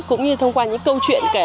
cũng như thông qua những câu chuyện